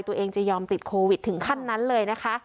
ตัวเองจะยอมติดโควิดถึงขั้นนั้นเลยนะคะ